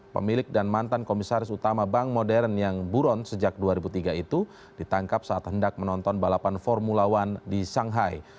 pemilik dan mantan komisaris utama bank modern yang buron sejak dua ribu tiga itu ditangkap saat hendak menonton balapan formula one di shanghai